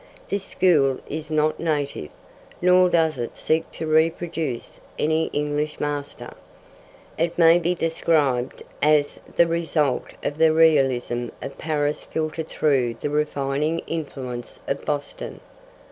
This school is not native, nor does it seek to reproduce any English master. It may be described as the result of the realism of Paris filtered through the refining influence of Boston.